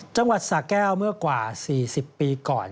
จังหวัดสาแก้วเมื่อกว่า๔๐ปีก่อน